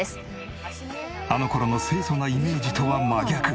あの頃の清楚なイメージとは真逆。